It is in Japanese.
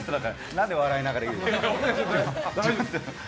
何で笑いながら言うの？